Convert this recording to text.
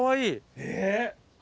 えっ！